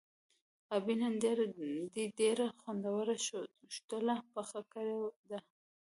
ابۍ نن دې ډېره خوندوره شوتله پخه کړې ده.